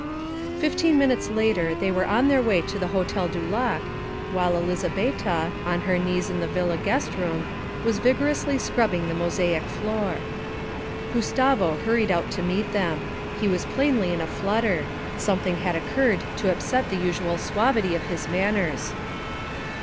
Fifteen minutes later they were on their way to the Hotel du Lac, while Elizabetta, on her knees in the villa guest room, was vigorously scrubbing the mosaic floor. Gustavo hurried out to meet them. He was plainly in a flutter; something had occurred to upset the usual suavity of his manners.